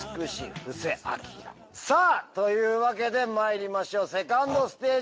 さあというわけで参りましょうセカンドステージ。